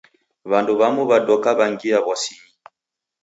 W'andu w'amu w'adoka w'angia w'asinyi.